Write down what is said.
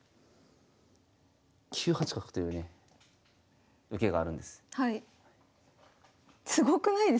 ９八角というね受けがあるんです。